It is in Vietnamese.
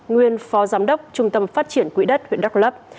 nguyên phó giám đốc trung tâm phát triển quỹ đất huyện đắk lấp